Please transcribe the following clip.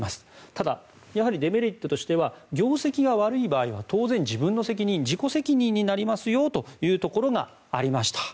ただ、デメリットとしては業績が悪い場合は当然、自分の責任自己責任になりますというところがありました。